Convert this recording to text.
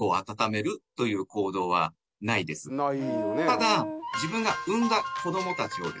ただ。